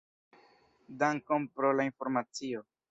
Dankon pro la informacio.